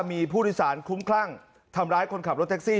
มีผู้โดยสารคุ้มคลั่งทำร้ายคนขับรถแท็กซี่